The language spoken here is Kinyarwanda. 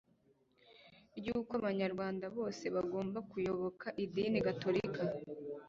ry'uko abanyarwanda bose bagomba kuyoboka idini gatolika